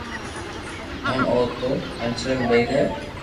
ون اُو تو بدچلن ٻئير ھي